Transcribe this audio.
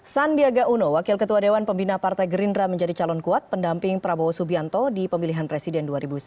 sandiaga uno wakil ketua dewan pembina partai gerindra menjadi calon kuat pendamping prabowo subianto di pemilihan presiden dua ribu sembilan belas